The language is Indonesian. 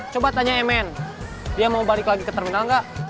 coba tanya mn dia mau balik lagi ke terminal nggak